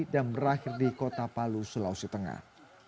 dan berakhir di kota palu sulawesi tengah